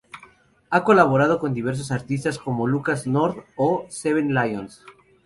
Ha colaborado con diversos artistas como Lucas Nord o Seven Lions.